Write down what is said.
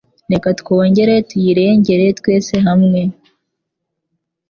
Reka twongere tuyirengere twese hamwe.